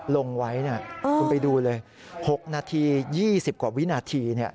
ลงไว้คุณไปดูเลย๖นาที๒๐กว่าวินาที